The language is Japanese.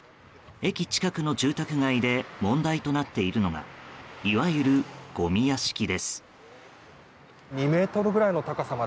駅近くの住宅街で問題となっているのがいわゆる、ごみ屋敷です。